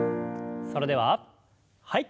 それでははい。